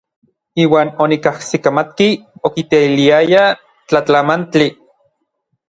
Iuan onikajsikamatki okiteiliayaj tlatlamantli.